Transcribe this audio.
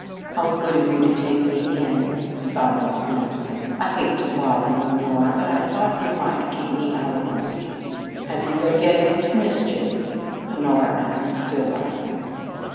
"How good of you to take me in," sighed Miss Morrison. "I hated to bother you, Honora, but I thought you might keep me out of mischief." "Have you been getting into mischief?" Honora asked, still laughing.